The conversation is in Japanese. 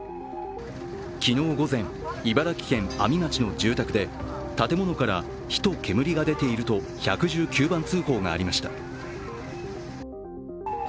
昨日午前、茨城県阿見町の住宅で建物から火と煙が出ていると１１９番通報がありました。